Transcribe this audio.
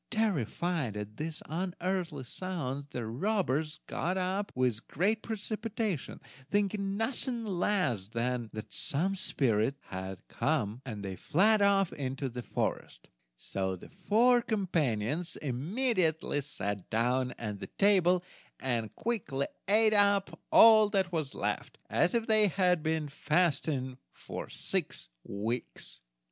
Terrified at these unearthly sounds, the robbers got up with great precipitation, thinking nothing less than that some spirits had come, and fled off into the forest, so the four companions immediately sat down at the table, and quickly ate up all that was left, as if they had been fasting for six weeks.